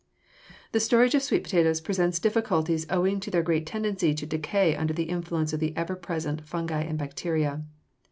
The storage of sweet potatoes presents difficulties owing to their great tendency to decay under the influence of the ever present fungi and bacteria.